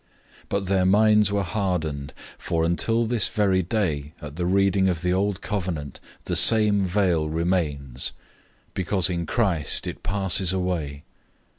003:014 But their minds were hardened, for until this very day at the reading of the old covenant the same veil remains, because in Christ it passes away.